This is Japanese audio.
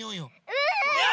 うん！